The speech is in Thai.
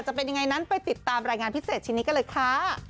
จะเป็นยังไงนั้นไปติดตามรายงานพิเศษชิ้นนี้กันเลยค่ะ